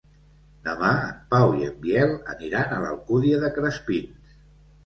Demà en Pau i en Biel aniran a l'Alcúdia de Crespins.